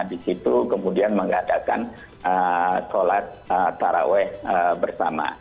di situ kemudian mengadakan sholat taraweh bersama